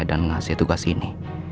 dan ngasih tugas ini